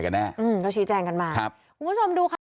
คุณผู้ชมดูค่ะ